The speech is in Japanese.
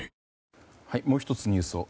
もう１つニュースです。